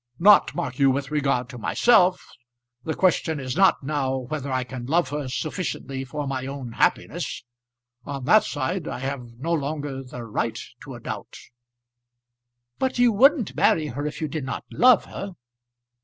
"Not, mark you, with regard to myself. The question is not now whether I can love her sufficiently for my own happiness. On that side I have no longer the right to a doubt." "But you wouldn't marry her if you did not love her."